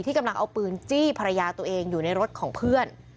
กำลังเอาปืนจี้ภรรยาตัวเองอยู่ในรถของเพื่อน